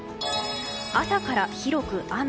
朝から広く雨。